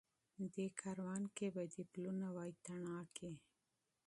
دې کاروان کي به دي پلونه وای تڼاکي